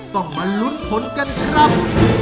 ต้องมาลุ้นผลกันครับ